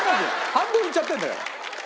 半分言っちゃってるんだよ。